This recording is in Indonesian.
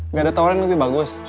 enggak ada tawaran yang lebih bagus